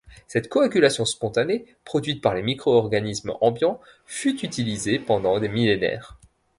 Cette coagulation spontanée, produite par les micro-organismes ambiants, fut utilisée pendant des millénaires.